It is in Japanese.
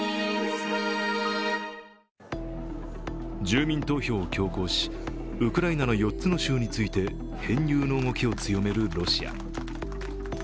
住民投票を強行しウクライナの４つの州について編入の動きを強めるロシア。